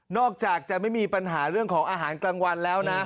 อกจากจะไม่มีปัญหาเรื่องของอาหารกลางวันแล้วนะ